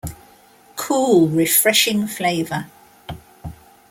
Cool, refreshing flavour.